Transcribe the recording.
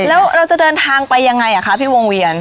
แล้วเราจะเดินทางไปยังไงคะพี่วงเวียน